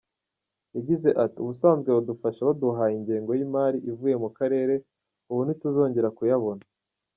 Yagize ati « Ubusanzwe badufashaga baduhaye ingengo y’imari ivuye mu Karere, ubu ntituzongera kuyabona.